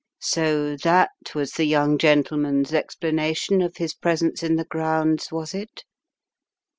So that was the young gentleman's explanation of his presence in the grounds, was it?